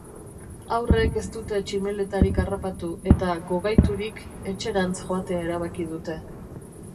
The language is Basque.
Haurrek ez dute tximeletarik harrapatu eta, gogaiturik, etxerantz joatea erabaki dute.